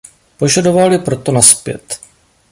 Požadoval je proto nazpět.